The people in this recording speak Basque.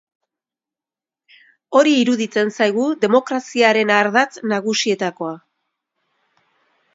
Hori iruditzen zaigu demokraziaren ardatz nagusietakoa.